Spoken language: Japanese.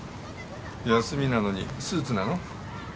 休みなのにスーツなの？